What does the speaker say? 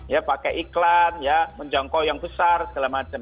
ya pakai iklan ya menjangkau yang besar segala macam